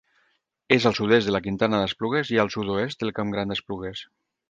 És al sud-est de la Quintana d'Esplugues i al sud-oest del Camp Gran d'Esplugues.